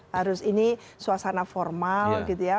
harus ini suasana formal gitu ya